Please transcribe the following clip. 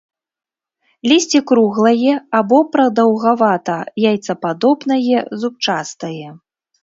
Лісце круглае або прадаўгавата-яйцападобнае, зубчастае.